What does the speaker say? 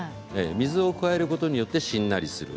水を加えることによってしんなりする。